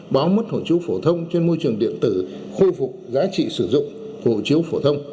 báo mất hồ chiếu phổ thông trên môi trường điện tử khôi phục giá trị sử dụng hộ chiếu phổ thông